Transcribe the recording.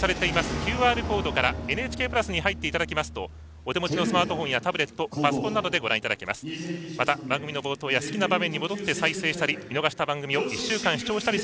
ＱＲコードからＮＨＫプラスに入っていただきますとお手持ちのスマートフォンやタブレット、パソコンなどでご覧いただけます。